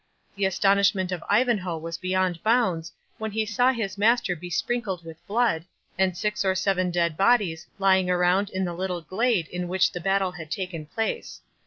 The astonishment of Ivanhoe was beyond bounds, when he saw his master besprinkled with blood, and six or seven dead bodies lying around in the little glade in which the battle had taken place.